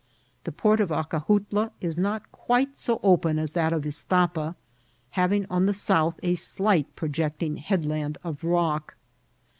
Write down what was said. The port of Acajutla is not quite so open as that of Istapa, having on the south a slight projecting headland of rock.